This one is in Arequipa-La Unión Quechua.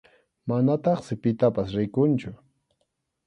Manataqsi pitapas rikunchu.